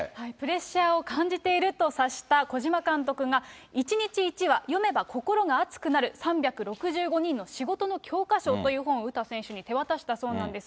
プレッシャーを感じていると察した小嶋監督が、１日１話、読めば心が熱くなる３６５人の仕事の教科書という本を詩選手に手渡したそうなんです。